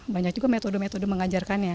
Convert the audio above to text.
banyak juga metode metode mengajarkannya